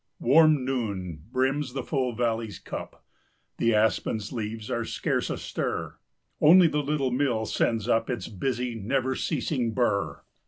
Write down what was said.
Warm noon brims full the valley's cup, 5 The aspen's leaves are scarce astir; Only the little mill sends up Its busy, never ceasing burr.